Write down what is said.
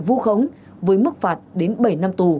vụ khống với mức phạt đến bảy năm tù